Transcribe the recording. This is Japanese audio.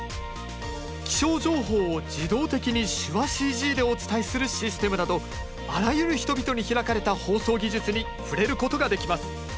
気象情報を自動的に手話ＣＧでお伝えするシステムなどあらゆる人々に開かれた放送技術に触れることができます。